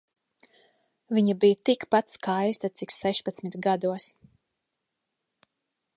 Viņa bija tikpat skaista cik sešpadsmit gados.